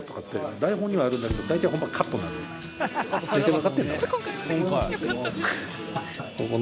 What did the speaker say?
台本にはあるんだけど大体本番カットになるの。